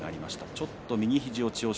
ちょっと右肘を千代翔